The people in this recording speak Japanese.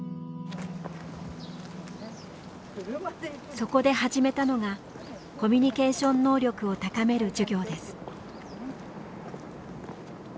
そこで始めたのがコミュニケーション能力を高める授業です。